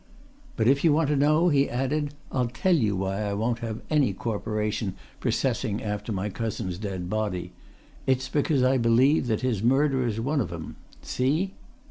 "But if you want to know," he added, "I'll tell you why I won't have any Corporation processing after my cousin's dead body! It's because I believe that his murderer's one of 'em! See?"